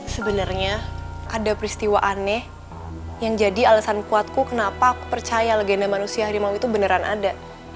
sebenarnya ada peristiwa aneh yang jadi alasan kuatku kenapa aku percaya legenda manusia harimau itu beneran ada